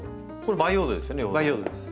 培養土です。